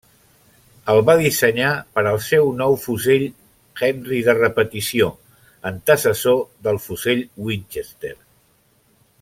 El va dissenyar per al seu nou fusell Henry de repetició, antecessor del fusell Winchester.